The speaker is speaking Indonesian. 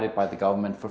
semua warga denmark merasa